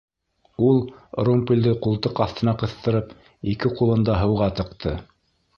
Ул, румпелде ҡултыҡ аҫтына ҡыҫтырып, ике ҡулын да һыуға тыҡты.